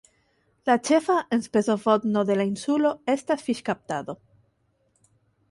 La ĉefa enspezofotno de la insulo estas fiŝkaptado.